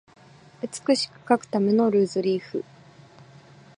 美しく書くためのルーズリーフ